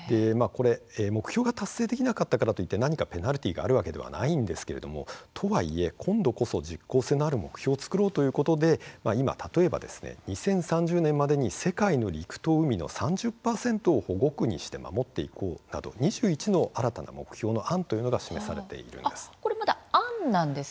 目標が達成できなかったからといって何かペナルティーがあるわけではないんですけれどもとはいえ今度こそ実効性のある目標を作ろうということで今、例えば２０３０年までに世界の陸と海の３０％を保護区にして守っていこうなど２１の新たな目標の案というのが示されているんです。